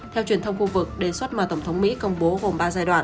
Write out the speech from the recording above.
theo truyền thông khu vực đề xuất mà tổng thống mỹ công bố gồm ba giai đoạn